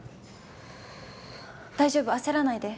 大丈夫焦らないで。